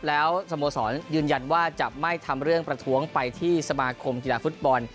แล้วสโมสรยืนยันว่าจะไม่ทำเรื่องประท้วงไปที่สมาคมกีฬาฟุตบอล